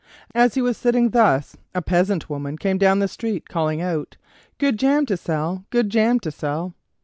As he was sitting thus a peasant woman came down the street, calling out: "Good jam to sell! good jam to sell!"